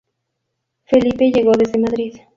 Felipe llegó desde Madrid.